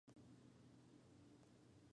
Se encuentran en Camerún y Nigeria.